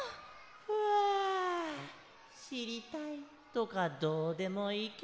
ふわあしりたいとかどうでもいいケロ。